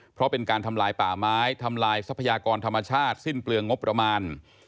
เพราะเป็นการทำลายป่าไม้ทำลายทรัพยากรธรรมชาติสิ้นเปลืองงบประมาณ